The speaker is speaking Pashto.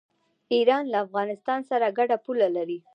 ایران له افغانستان سره ګډه پوله لري.